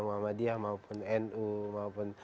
muhammadiyah maupun nu maupun